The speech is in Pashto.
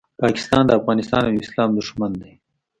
پاکستان د افغانستان او اسلام دوښمن دی